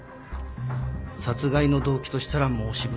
殺害の動機としたら申し分ない。